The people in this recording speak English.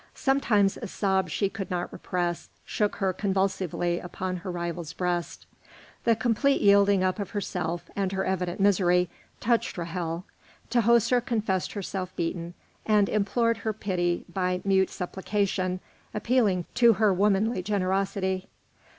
Sometimes a sob she could not repress shook her convulsively upon her rival's breast. The complete yielding up of herself, and her evident misery, touched Ra'hel. Tahoser confessed herself beaten, and implored her pity by mute supplication, appealing to her womanly generosity.